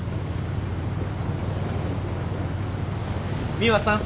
美羽さん。